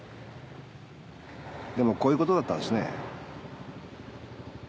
でもこういうことだったんですね？